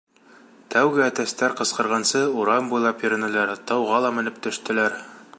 Тәүге әтәстәр ҡысҡырғансы урам буйлап йөрөнөләр, тауға ла менеп төштөләр.